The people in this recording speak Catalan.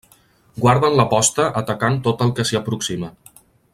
Guarden la posta atacant tot el que s'hi aproxima.